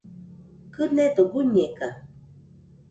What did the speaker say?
Kɨnedo guiñega